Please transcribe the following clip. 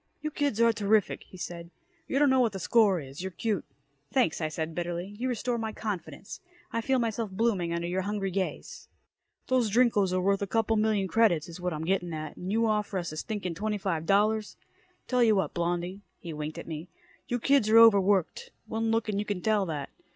"You kids are terrific," he said. "You don't know what the score is. You're cute!" "Thanks," I said bitterly. "You restore my confidence. I feel myself blooming under your hungry gaze." "Those Drinkos are worth a couple million credits, is what I'm getting at, and you offer us a stinkin' twenty five dollars. Tell you what, Blondie." He winked at me. "You kids are over worked. One look and you can tell that.